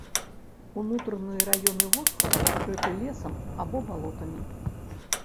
Унутраныя раёны вострава пакрыты лесам або балотамі.